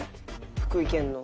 福井県の。